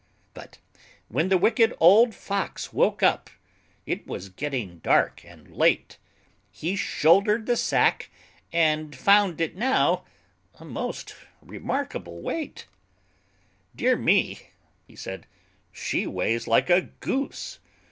But when the Wicked Old Fox woke up, It was getting dark and late. He shouldered the sack, and found it now A most remarkable weight. "Dear me!" he said, "she weighs like a goose!